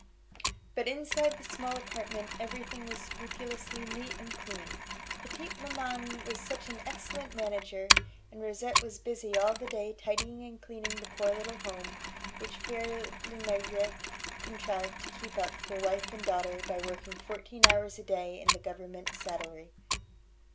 But inside the small apartment everything was scrupulously neat and clean. Petite maman was such an excellent manager, and Rosette was busy all the day tidying and cleaning the poor little home, which Pere Lenegre contrived to keep up for wife and daughter by working fourteen hours a day in the government saddlery.